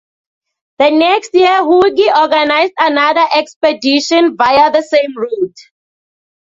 The next year Hugi organized another expedition via the same route.